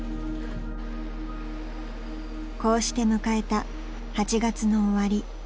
［こうして迎えた８月の終わり］